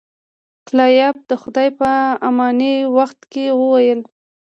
کلایف د خدای په امانی په وخت کې وویل.